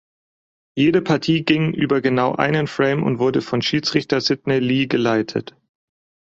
Jede Partie ging über genau einen Frame und wurde von Schiedsrichter Sydney Lee geleitet.